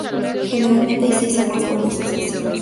Generalmente hay seis o más vuelos sucesivos.